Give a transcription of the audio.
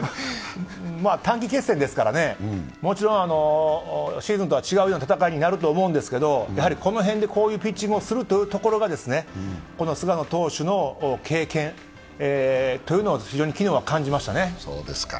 短期決戦ですから、もちろんシーズンとは違う戦いになると思うんですけどこの辺でこういうピッチングをするというところが菅野投手の経験というのを非常に昨日は感じましたね。